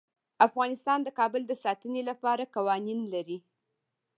افغانستان د کابل د ساتنې لپاره قوانین لري.